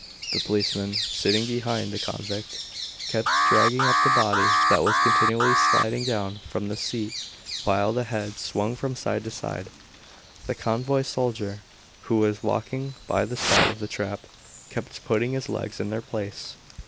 The policeman, sitting beside the convict, kept dragging up the body that was continually sliding down from the seat, while the head swung from side to side. The convoy soldier, who was walking by the side of the trap, kept putting the legs in their place.